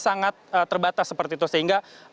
sangat terbatas seperti itu sehingga